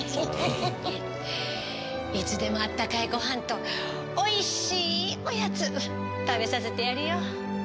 いつでもあったかいごはんとおいしいおやつ食べさせてやるよ。